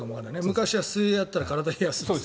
昔は水泳をやったら体を冷やす。